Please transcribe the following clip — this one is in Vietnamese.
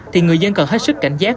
thì người dân cần hết sức cảnh giác